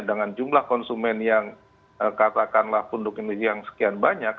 dengan jumlah konsumen yang katakanlah penduduk indonesia yang sekian banyak